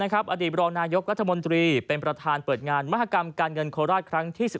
อดีตรองนายกรัฐมนตรีเป็นประธานเปิดงานมหากรรมการเงินโคราชครั้งที่๑๑